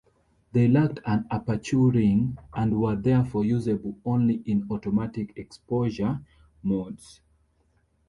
They lacked an aperture ring, and were therefore usable only in automatic-exposure modes.